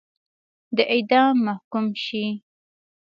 د اعدام محکوم شي.